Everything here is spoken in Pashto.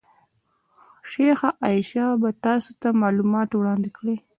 شیخه عایشه به تاسې ته معلومات وړاندې کړي.